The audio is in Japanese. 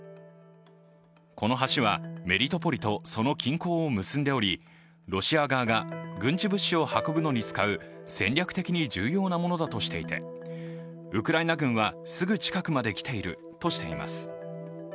この橋は、メリトポリとその均衡を結んでおり、ロシア側が軍事物資を運ぶのに使う戦略的に重要なものだとしていて、ウクライナ軍はすぐ近くまで来ているとしています。